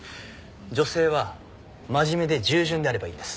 女性は真面目で従順であればいいんです。